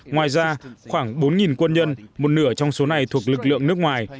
ngoài ra khoảng bốn quân nhân một nửa trong số này thuộc lực lượng nước ngoài